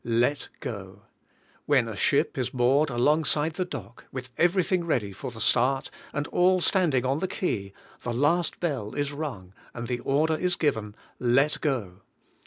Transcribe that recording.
Let go. When a ship is moored alongsida the dock, with everything ready for the start and all standing on the quay, the last bell is rung and the order is given, "Let go."